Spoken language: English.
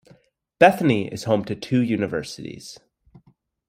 Bethany is home to two universities.